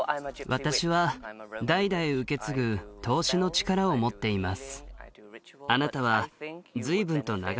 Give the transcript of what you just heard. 私は代々受け継ぐ透視の力を持っています